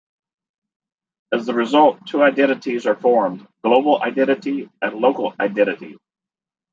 As a result, two identities are formed: global identity and local identity.